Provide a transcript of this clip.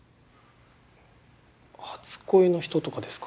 初恋の人とかですか？